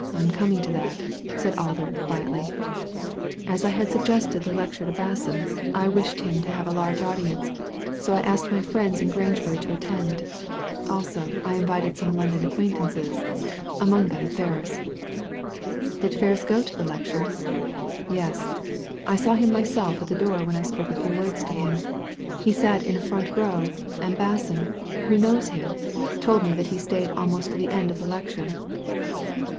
"I'm coming to that," said Alder, quietly. "As I had suggested the lecture to Basson, I wished him to Digitized by Google A SURPRISING DISCOVERY 147 have a lai^e audience, so I asked my friends in Grangebury to attend ; also I invited some London acquaintances, amongst them Ferris," " Did Ferris go to the lecture ?" "Yes. I saw him myself at the door, when I spoke a few words to him. He sat in a front row, and Basson — ^who knows him — told me that he stayed almost to the end of the lecture.